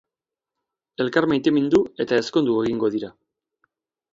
Elkar maitemindu eta ezkondu egingo dira.